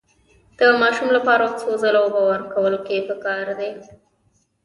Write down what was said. د ماشو لپاره څو ځله اوبه ورکول پکار دي؟